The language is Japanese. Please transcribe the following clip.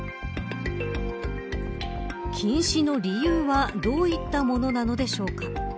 禁止の理由はどういったものなのでしょうか。